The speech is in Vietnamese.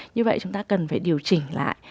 như vậy chúng ta cần phải điều chỉnh lại